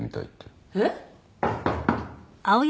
えっ？